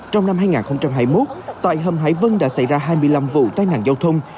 trong năm hai nghìn hai mươi một tại hầm hải vân đã xảy ra hai mươi năm vụ tai nạn giao thông